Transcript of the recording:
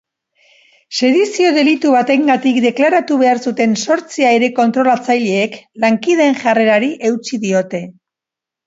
Sedizio delitu batengatik deklaratu behar zuten zortzi aire-kontrolatzaileek lankideen jarrerari eutsi diote.